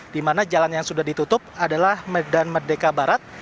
di mana jalan yang sudah ditutup adalah medan merdeka barat